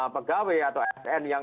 pegawai atau asn yang